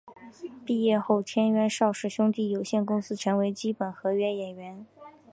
毕业后签约邵氏兄弟有限公司成为基本合约演员。